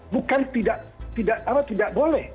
bukan tidak boleh